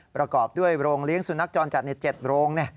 ประกอบด้วยโรงเลี้ยงสุนัขจรจัดใน๗โรง